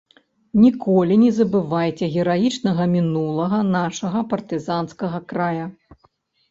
Ніколі не забывайце гераічнага мінулага нашага партызанскага края!